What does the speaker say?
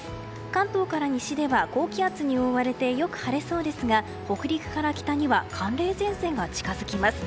関東から西では高気圧に覆われてよく晴れそうですが北陸から北には寒冷前線が近づきます。